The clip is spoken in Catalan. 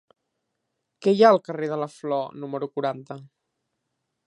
Què hi ha al carrer de la Flor número quaranta?